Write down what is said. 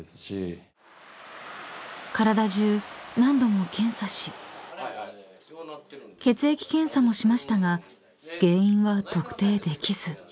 ［体中何度も検査し血液検査もしましたが原因は特定できず］